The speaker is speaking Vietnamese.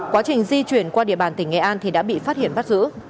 quá trình di chuyển qua địa bàn tỉnh nghệ an thì đã bị phát hiện bắt giữ